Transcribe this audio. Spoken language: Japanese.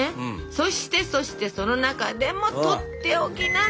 そしてそしてその中でもとっておきなのが。